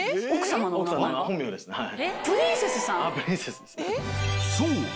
プリンセスです。